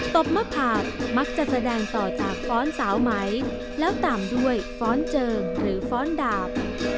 บมะผากมักจะแสดงต่อจากฟ้อนสาวไหมแล้วตามด้วยฟ้อนเจิงหรือฟ้อนดาบ